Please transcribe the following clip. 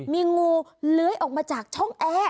มีงูเลื้อยออกมาจากช่องแอร์